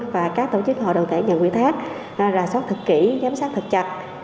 và các tổ chức hội đồng tải nhận quy thác rà soát thật kỹ giám sát thật chặt